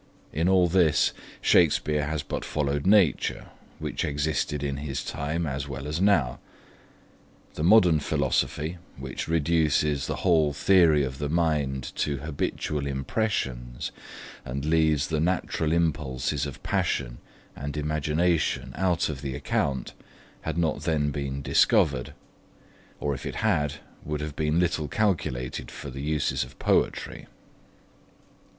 In all this, Shakespeare has but followed nature, which existed in his time, as well as now. The modern philosophy, which reduces the whole theory of the mind to habitual impressions, and leaves the natural impulses of passion and imagination out of the account, had not then been discovered; or if it had, would have been little calculated for the uses of poetry.